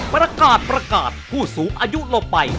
ประกาศประกาศผู้สูงอายุลงไป